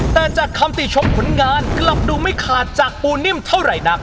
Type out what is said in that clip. แต่จากคำติชมผลงานกลับดูไม่ขาดจากปูนิ่มเท่าไหร่นัก